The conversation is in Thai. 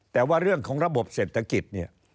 แต่ว่าเรื่องของระบบเศรษฐกิจเนี่ย